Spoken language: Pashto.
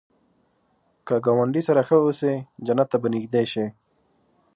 که ګاونډي سره ښه اوسې، جنت ته به نږدې شې